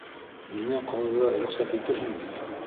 Миңә ҡалырға рөхсәт итерһең бит?